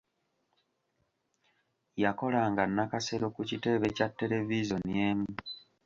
Yakolanga nakasero ku kitebe kya televizoni emu.